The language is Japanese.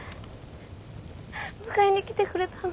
迎えに来てくれたの？